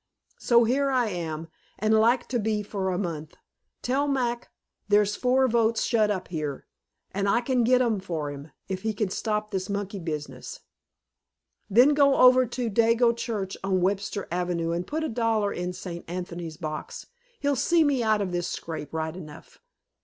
So here I am, and like to be for a month. Tell Mac theres four votes shut up here, and I can get them for him, if he can stop this monkey business. Then go over to the Dago Church on Webster Avenue and put a dollar in Saint Anthony's box. He'll see me out of this scrape, right enough.